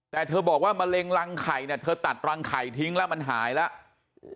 แต่เธอบอกว่ามะเร็งรังไข่เนี่ยเธอตัดรังไข่ทิ้งแล้วมันหายแล้ว